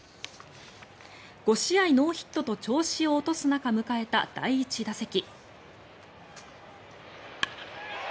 ５試合ノーヒットと調子を落とす中迎えた第１打席。